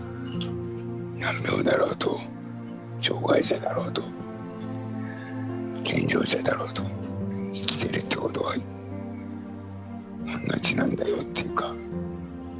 難病だろうと、障がい者だろうと、健常者だろうと、生きてるってことは同じなんだよっていうか。